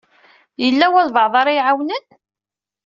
Yella walebɛaḍ ara iɛawnen?